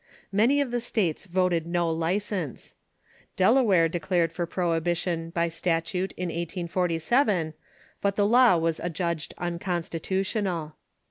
Many of the states voted no license. Delaware declared for Prohibition by statute in 1847, but the law was adjudged unconstitutional.